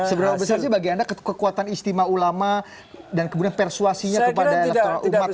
seberapa besar sih bagi anda kekuatan istimewa ulama dan kemudian persuasinya kepada elektoral umat islam